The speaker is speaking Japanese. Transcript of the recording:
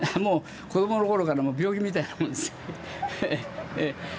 子どものころからもう病気みたいなもんですよ。